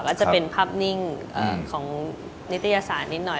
ก็จะเป็นภาพนิ่งของนิตยสารนิดหน่อย